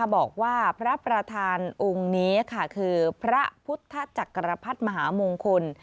บอกว่าพระประธานองค์นี้ค่ะคือพระพุทธจักรพรรดิมหามงคล